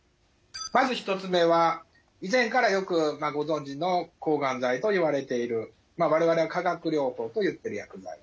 まず１つ目は以前からよくご存じの抗がん剤といわれている我々が化学療法といってる薬剤。